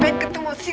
pak ketemu si rok